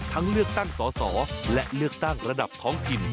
ทั้งเลือกตั้งสอและเลือกตั้งระดับท้องผิน